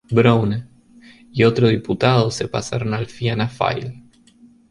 Browne y otro diputado se pasaron al Fianna Fáil.